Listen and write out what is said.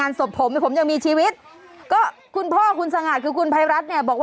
ทานจนหน้านี่เป็นแง่งขิงแล้ว